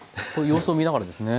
様子を見ながらですね。